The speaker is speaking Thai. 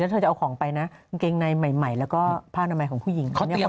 เธอจะเอาของไปนะกางเกงในใหม่แล้วก็ผ้านามัยของผู้หญิง